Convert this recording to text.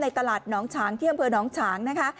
ตลาดน้องฉางที่อำเภอน้องฉางนะคะ